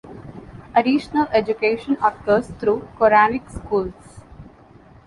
Additional education occurs through Koranic schools.